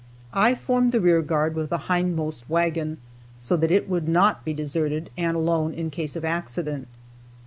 I formed the rear guard with the hindmost wagon, so that it would not be deserted and alone in case of accident.